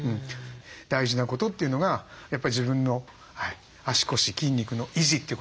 大事なことというのがやっぱり自分の足腰筋肉の維持ということになりますから。